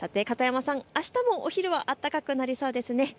片山さん、あしたもお昼は暖かくなりそうですね。